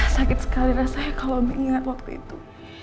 sakit sekali rasanya kalau mengingat waktu itu